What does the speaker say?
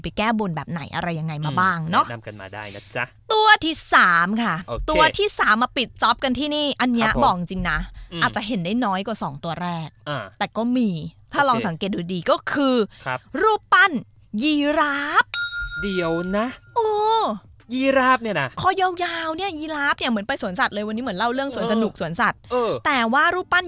โอเคก็เลยคิดว่าไม่เป็นไรม้าลายก็คือม้าเหมือนกัน